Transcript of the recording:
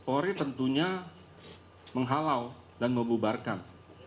orih tentunya menghalau dan mengubarkan